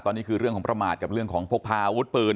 ตอนนี้คือเรื่องของประมาทกับเรื่องของพกพาอาวุธปืน